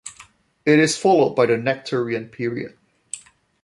It is followed by the Nectarian period.